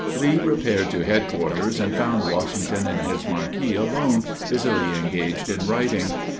Lee repaired to headquarters, and found Washington in his marquee alone, busily engaged in writing.